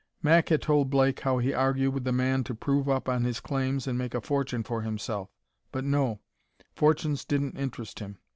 Mac had told Blake how he argued with the man to prove up on his claims and make a fortune for himself. But no fortunes didn't interest him.